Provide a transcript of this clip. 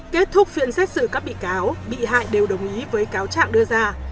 kết thúc phiên xét xử các bị cáo bị hại đều đồng ý với cáo trạng đưa ra